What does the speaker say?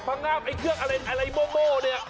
พังอาบไอเครื่องอะไรโมโมเนี่ย